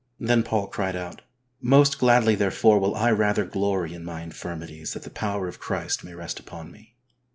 *' Then Paul cried out, "Most gladly, therefore, will I rather glory in my infirmities that the power of Christ may rest upon me.